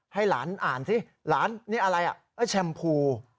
ให้หลานอ่านสิหลานนี่อะไรอ่ะแชมพู